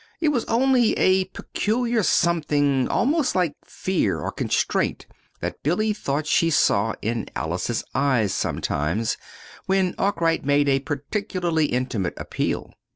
It was only a peculiar something almost like fear, or constraint, that Billy thought she saw in Alice's eyes, sometimes, when Arkwright made a particularly intimate appeal.